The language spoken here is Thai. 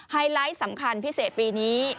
ไลท์สำคัญพิเศษปีนี้